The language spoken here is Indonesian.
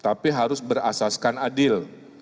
tapi harus berasaskan adil